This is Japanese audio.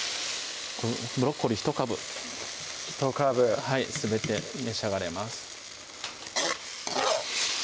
ブロッコリー１株１株すべて召し上がれます